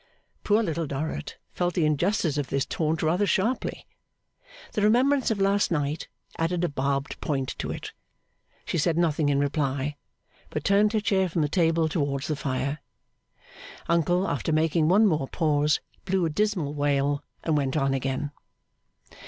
Poor Little Dorrit felt the injustice of this taunt rather sharply. The remembrance of last night added a barbed point to it. She said nothing in reply, but turned her chair from the table towards the fire. Uncle, after making one more pause, blew a dismal wail and went on again.